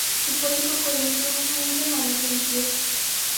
Su pórtico corintio aún permanece en pie.